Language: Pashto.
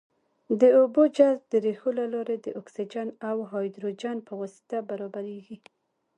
د اوبو جذب د ریښو له لارې د اکسیجن او هایدروجن په واسطه برابریږي.